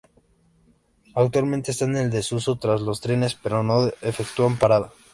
Actualmente esta en desuso, pasan los trenes pero no efectúan parada